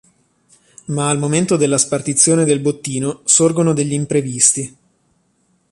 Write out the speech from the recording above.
Ma al momento della spartizione del bottino sorgono degli imprevisti.